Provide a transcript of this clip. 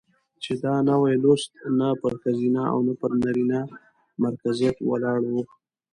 چې دا نوى لوست نه پر ښځينه او نه پر نرينه مرکزيت ولاړ و،